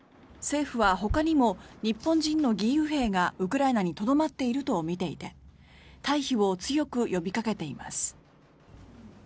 政府はほかにも日本人の義勇兵がウクライナにとどまっているとみていて退避を強く呼びかけています。